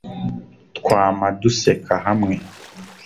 twama duseka hamwe